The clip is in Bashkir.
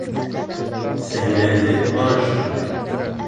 Сәбиләне һорашты.